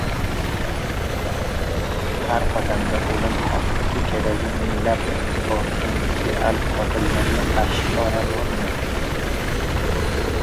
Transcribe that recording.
Har qadamda o‘lim xavfi: Ko‘chadagi minglab potensial qotillarga qarshi chora bormi?